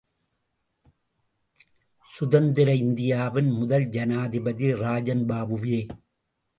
சுதந்திர இந்தியாவின் முதல் ஜனாதிபதி ராஜன்பாபுவே!